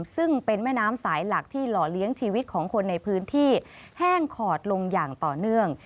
ซึ่งเป็นแม่น้ำสายหลักที่หล่อเลี้ยงชีวิตของคนในพื้นที่แห้งขอดลงอย่างต่อเนื่อง